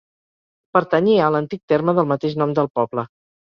Pertanyia a l'antic terme del mateix nom del poble.